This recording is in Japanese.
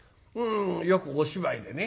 よくお芝居でね